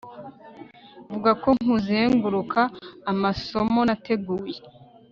vuga ko nkuzenguruka amasomo nateguye